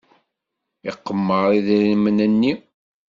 Iqemmer idrimen-nni.